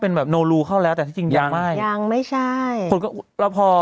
เป็นแบบโนรูเข้าแล้วแต่ที่จริงยังไม่ยังไม่ใช่คนก็แล้วพอ